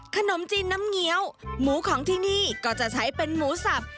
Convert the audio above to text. ขนมจีนน้ำเงี้ยวหมูของที่นี่ก็จะใช้เป็นหมูสับ